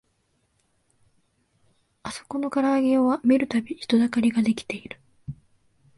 あそこのからあげ屋は見るたび人だかりが出来てる